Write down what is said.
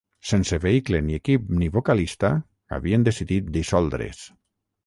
Sense vehicle ni equip ni vocalista havien decidit dissoldre's.